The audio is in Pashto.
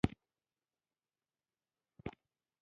د کلسیم د فلز تعامل هایدروجن ګاز آزادوي.